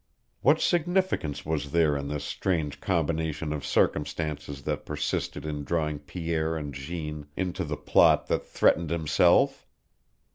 What significance was there in this strange combination of circumstances that persisted in drawing Pierre and Jeanne into the plot that threatened himself?